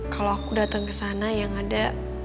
kalo aku dateng kesana yang ada